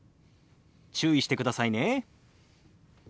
注意してくださいね。